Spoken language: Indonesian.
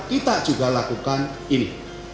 kita juga lakukan ini